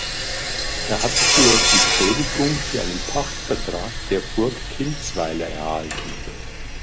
Er hatte sie als Entschädigung für einen Pachtvertrag der Burg Kinzweiler erhalten.